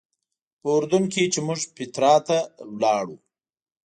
په اردن کې چې موږ پیټرا ته لاړو.